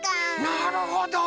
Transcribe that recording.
なるほど！